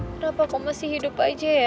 kenapa kok masih hidup aja ya